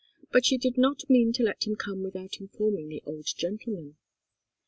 But she did not mean to let him come without informing the old gentleman.